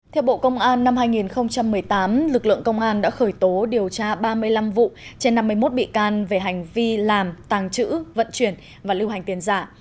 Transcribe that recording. theo bộ công an năm hai nghìn một mươi tám lực lượng công an đã khởi tố điều tra ba mươi năm vụ trên năm mươi một bị can về hành vi làm tàng trữ vận chuyển và lưu hành tiền giả